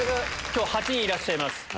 今日８人いらっしゃいます